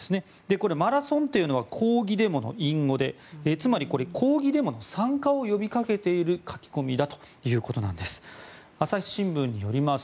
これ、マラソンというのは抗議デモの隠語でつまりこれ、抗議デモの参加を呼びかけている書き込みだということです。